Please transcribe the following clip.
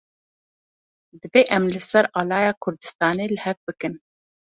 Divê em li ser alaya Kurdistanê li hev bikin.